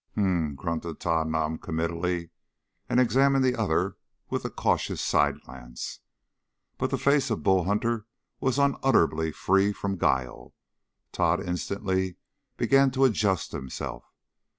"H'm," grunted Tod noncommittally, and examined the other with a cautious side glance. But the face of Bull Hunter was unutterably free from guile. Tod instantly began to adjust himself.